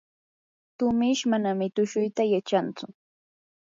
tumish manam tushuyta yachantsu.